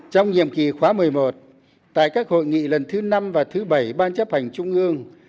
trong nhiệm kỳ khóa một mươi một tại các hội nghị lần thứ năm và thứ bảy ban chấp hành trung ương